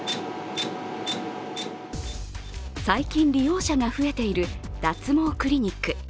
最近利用者が増えている脱毛クリニック。